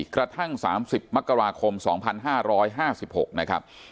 กระทั่ง๓๐มกราคม๒๕๕๖นะครับ